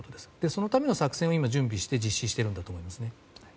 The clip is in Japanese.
そのための作戦を準備して実施しているんだと思います。